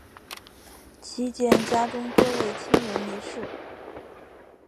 期间家中多位亲人离世。